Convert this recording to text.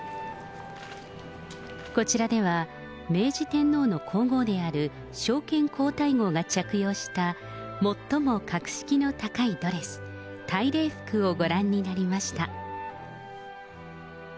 こちらでは、明治天皇の皇后である昭憲皇太后が着用した最も格式の高いドレス、大礼服をご覧になりました。